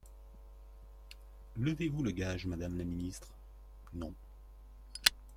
Levez-vous le gage, madame la ministre ? Non.